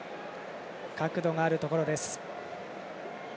角度があるところです。